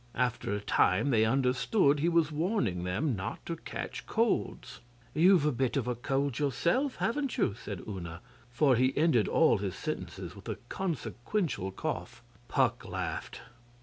After a time they understood he was warning them not to catch colds. 'You've a bit of a cold yourself, haven't you?' said Una, for he ended all his sentences with a consequential cough. Puck laughed.